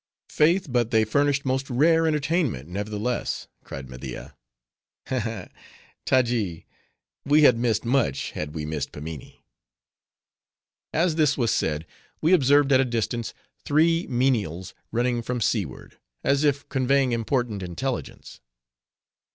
"Faith! but they furnish most rare entertainment, nevertheless," cried Media. "Ha! ha! Taji, we had missed much, had we missed Pimminee." As this was said, we observed, at a distance, three menials running from seaward, as if conveying important intelligence.